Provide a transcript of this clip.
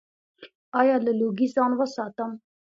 ایا له لوګي ځان وساتم؟